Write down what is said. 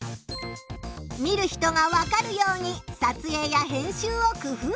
見る人がわかるように撮影や編集を工夫する。